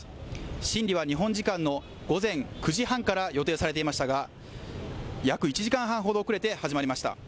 審理は日本時間の午前９時半から予定されていましたが約１時間半ほど遅れて始まりました